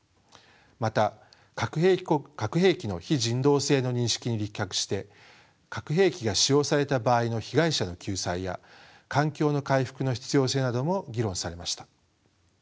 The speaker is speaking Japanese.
また核兵器の非人道性の認識に立脚して核兵器が使用された場合の被害者の救済や環境の回復の必要性なども議論されました。